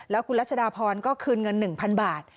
แล้วคุณรัชดาพรก็คืนเงิน๑๐๐๐บาท